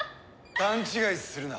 勘違いするな。